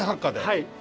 はい。